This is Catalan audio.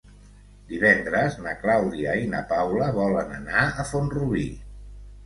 Divendres na Clàudia i na Paula volen anar a Font-rubí.